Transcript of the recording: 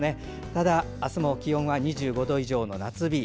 ただ、明日も気温が２５度以上の夏日。